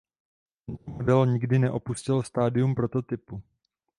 Tento model nikdy neopustil stádium prototypu.